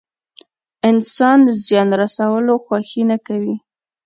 انسان زيان رسولو خوښي نه کوي.